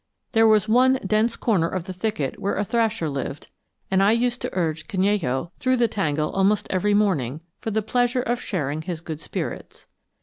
There was one dense corner of the thicket where a thrasher lived, and I used to urge Canello through the tangle almost every morning for the pleasure of sharing his good spirits.